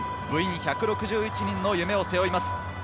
部員１６１人の夢を背負います。